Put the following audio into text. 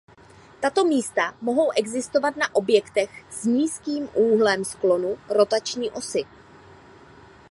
Tato místa mohou existovat na objektech s nízkým úhlem sklonu rotační osy.